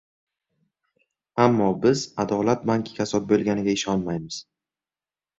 Ammo biz adolat banki kasod bo‘lganiga ishonmaymiz.